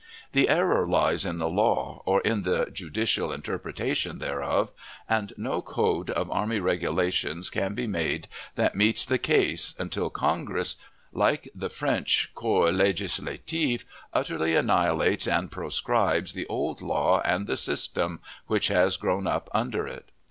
The error lies in the law, or in the judicial interpretation thereof, and no code of army regulations can be made that meets the case, until Congress, like the French Corps Legislatif, utterly annihilates and "proscribes" the old law and the system which has grown up under it.